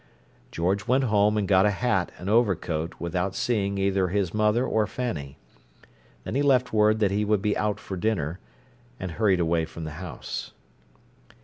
George went home and got a hat and overcoat without seeing either his mother or Fanny. Then he left word that he would be out for dinner, and hurried away from the house.